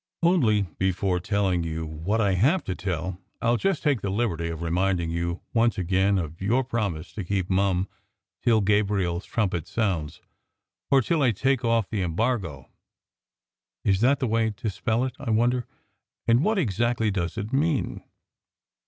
Only, before telling you what I have to tell, I ll just take the liberty of reminding you once again of your promise to keep mum till Gabriel s trumpet sounds or till I take off the embargo (is that the way to spell it, I wonder, and what exactly does it mean?).